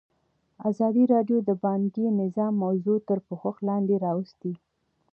ازادي راډیو د بانکي نظام موضوع تر پوښښ لاندې راوستې.